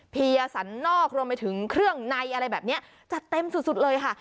สันนอกรวมไปถึงเครื่องในอะไรแบบนี้จัดเต็มสุดเลยค่ะ